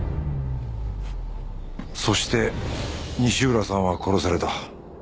そして西浦さんは殺された。